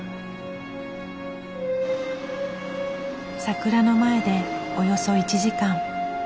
桜の前でおよそ１時間。